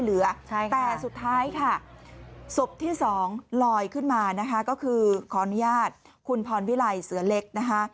อุปสรรคส์เสียเล็ก